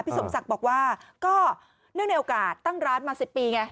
สมศักดิ์บอกว่าก็เนื่องในโอกาสตั้งร้านมา๑๐ปีไง